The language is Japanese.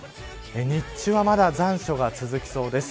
日中まだ残暑が続きそうです。